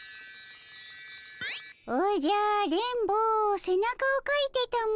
おじゃ電ボせなかをかいてたも。